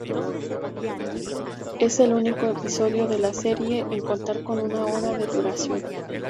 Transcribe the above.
Es el único episodio de la serie, en contar con una hora de duración.